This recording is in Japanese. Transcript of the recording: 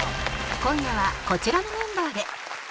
今夜はこちらのメンバーで